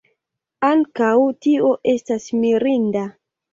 Ankaŭ tio estas mirinda.